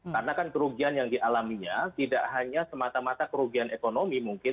karena kan kerugian yang dialaminya tidak hanya semata mata kerugian ekonomi mungkin